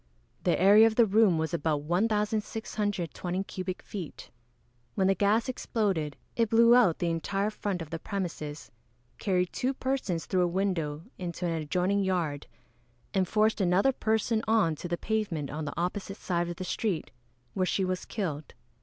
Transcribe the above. The area of the room was about 1,620 cubic feet. When the gas exploded, it blew out the entire front of the premises, carried two persons through a window into an adjoining yard, and forced another person on to the pavement on the opposite side of the street, where she was killed.